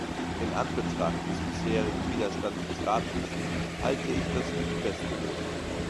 In Anbetracht des bisherigen Widerstands des Rates halte ich das für die beste Lösung.